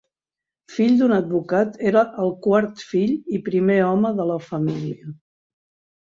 Fill d'un advocat, era el quart fill i primer home de la família.